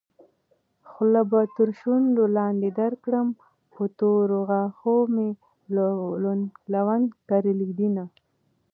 خوله به تر شونډو لاندې درکړم په تورو غاښو مې لونګ کرلي دينه